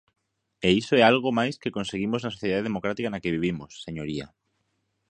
E iso é algo máis que conseguimos na sociedade democrática na que vivimos, señoría.